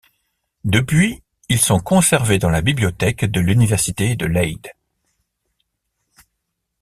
Depuis, ils sont conservés dans la bibliothèque de l'université de Leyde.